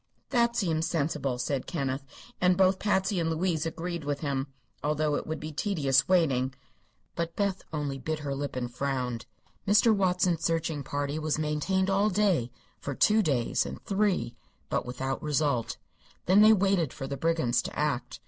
"That seems sensible," said Kenneth, and both Patsy and Louise agreed with him, although it would be tedious waiting. But Beth only bit her lip and frowned. Mr. Watson's searching party was maintained all day for two days, and three; but without result. Then they waited for the brigands to act.